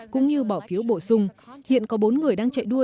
cũng như bỏ phiếu bổ sung hiện có bốn người đang chạy đua